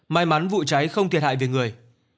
may mắn vụ cháy không thiệt hại về người